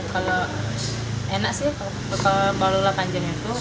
kalau enak sih kalau delapan jam itu